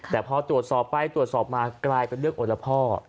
แต่พอตรวจสอบไปตรวจสอบมากลายเป็นเรื่องโอละพ่อ